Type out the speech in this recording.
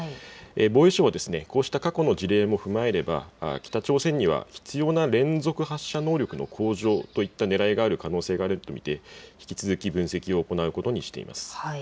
防衛省はこうした過去の事例も踏まえれば北朝鮮には必要な連続発射能力の向上といったねらいがある可能性があると見て引き続き分析を行うことにしています。